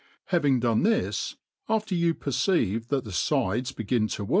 bjayiAg done this, after you iperceive that the fides ^gt^ i<».